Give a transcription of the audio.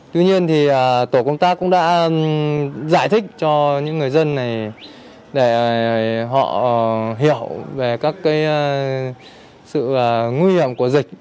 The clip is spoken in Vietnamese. tuy nhiên thì tổ công tác cũng đã giải thích cho những người dân này để họ hiểu về các sự nguy hiểm của dịch